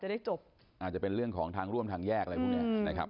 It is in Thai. ได้จบอาจจะเป็นเรื่องของทางร่วมทางแยกอะไรพวกเนี้ยนะครับ